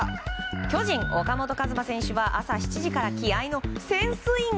巨人、岡本和真選手は朝７時から気合の１０００スイング。